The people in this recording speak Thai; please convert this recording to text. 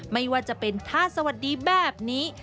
ไม่ว่าจะเป็นท่าสวัสดีแบบนี้